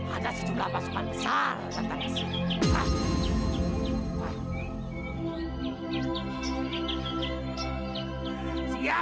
ada sejumlah pasukan besar di antara kita